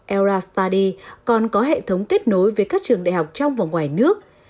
elra study còn có hệ thống kết nối với các trường đại học trong và ngoài nước